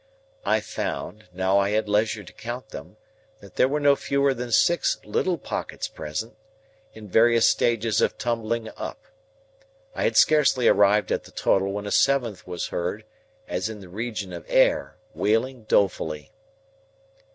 I found, now I had leisure to count them, that there were no fewer than six little Pockets present, in various stages of tumbling up. I had scarcely arrived at the total when a seventh was heard, as in the region of air, wailing dolefully.